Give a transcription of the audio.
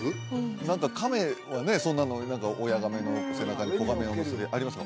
何かカメはねそんなの何か親ガメの背中に子ガメを乗せるありますよ